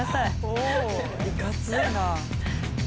おおいかついな。